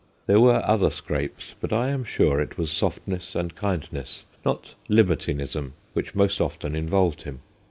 There were other scrapes, but I am sure it was softness and kindness, not libertinism, which most often involved him.